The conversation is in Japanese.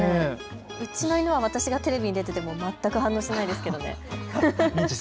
うちの犬は私がテレビに出ていても全く反応しないですけど。